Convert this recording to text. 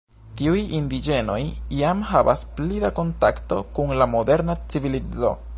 Tiuj indiĝenoj jam havas pli da kontakto kun la moderna civilizo.